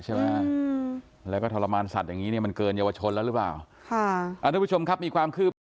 ใช่ไหมอืมแล้วก็ทรมานสัตว์อย่างงี้เนี้ยมันเกินเยาวชนแล้วหรือเปล่าค่ะ